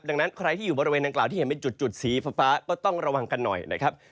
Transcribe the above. ดังนั้นใครที่อยู่บริเวณดังกล่าวที่เห็นเป็นจุดสีฟ้าก็ต้องระวังกันหน่อยนะครับ